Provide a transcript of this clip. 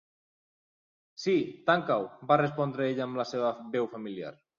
"Sí, tanca-ho," -va respondre ell amb la seva veu familiar.